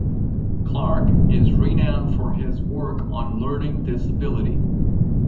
Clarke is renown for his work on learning disability.